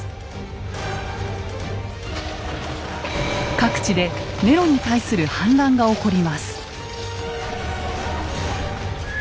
各地でネロに対する反乱が起こります。